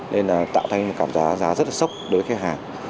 nên là tạo thành một cảm giá giá rất là sốc đối với khách hàng